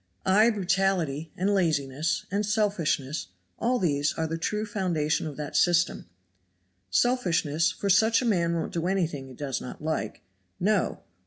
Ay, brutality, and laziness, and selfishness, all these are the true foundation of that system. Selfishness for such a man won't do anything he does not like. No!